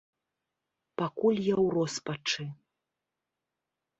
Пакуль я ў роспачы.